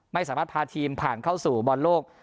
ไม่สามารถพาทีมผ่านเข้าสู่บอลโลก